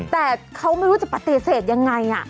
แต่เขาไม่รู้จะปฏิเสธยังไง